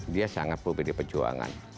dia sangat perlu pdi pejuangan